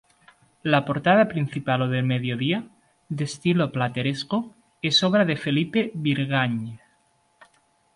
La portada principal o del mediodía, de estilo plateresco es obra de Felipe Bigarny.